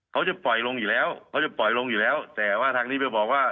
เขาจะปล่อยลงอยู่แล้วเขาจะปล่อยลงอยู่แล้วแต่ว่าทางนี้ไปบอกว่า